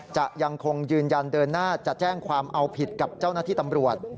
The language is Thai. จะยังคงยืนยันเดินหน้าจะแจ้งความเอาผิดกับเจ้าหน้าที่ตำรวจ